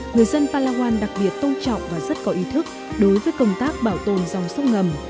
người dân palawan đặc biệt tôn trọng và rất có ý thức đối với công tác bảo tồn dòng sông ngầm